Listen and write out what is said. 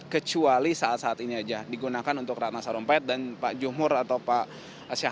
kecuali saat saat ini saja digunakan untuk ratna sarompet dan pak juhur atau pak asyik